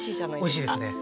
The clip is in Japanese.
おいしいですね。